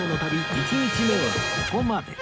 １日目はここまで